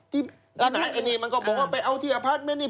ที่ไหนอันนี้มันก็บอกว่าไปเอาที่อภาษณ์เม้นนี่